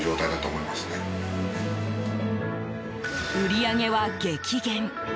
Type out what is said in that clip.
売り上げは激減。